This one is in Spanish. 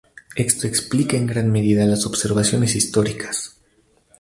Esto explica en gran medida las observaciones históricas.